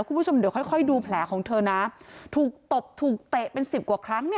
คุณผู้ชมเดี๋ยวค่อยค่อยดูแผลของเธอนะถูกตบถูกเตะเป็นสิบกว่าครั้งเนี่ย